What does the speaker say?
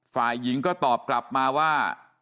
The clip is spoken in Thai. ฝ่ายหญิงก็ตอบกลับมาว่า